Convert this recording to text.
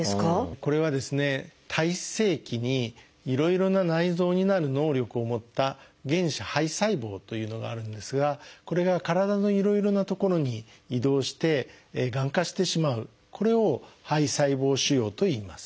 これはですね胎生期にいろいろな内臓になる能力を持った「原始胚細胞」というのがあるんですがこれが体のいろいろな所に移動してがん化してしまうこれを胚細胞腫瘍といいます。